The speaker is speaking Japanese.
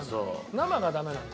生がダメなんだ。